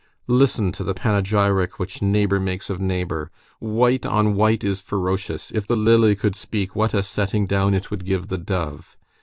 Listen to the panegyric which neighbor makes of neighbor. White on white is ferocious; if the lily could speak, what a setting down it would give the dove!